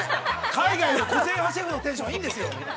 海外のシェフのテンションはいいんですよ。